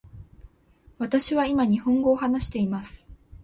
私は今日本語を話しています。